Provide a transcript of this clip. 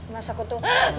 mas aku tuh